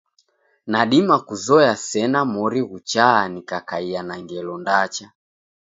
Nadima kuzoya sena mori ghuchaa nikakaia na ngelo ndacha.